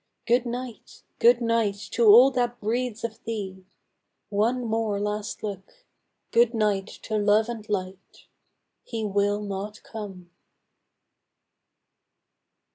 Good night! good night ! to all that breathes of thee ; One more last look — good night to love and light 1 He will not come